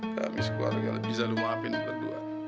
kami sekeluarga bisa lu maafin berdua